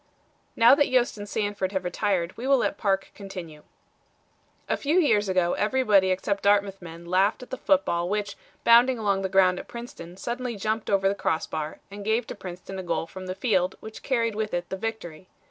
Now that Yost and Sanford have retired we will let Parke continue. "A few years ago everybody except Dartmouth men laughed at the football which, bounding along the ground at Princeton suddenly jumped over the cross bar and gave to Princeton a goal from the field which carried with it the victory.